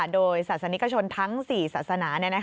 โดยศาสนิกชนทั้ง๔ศาสนา